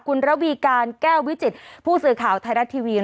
คุณระวีการแก้ววิจิตผู้สื่อข่าวไทยรัฐทีวี